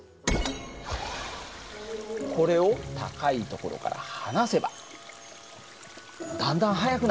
これを高い所から離せばだんだん速くなる。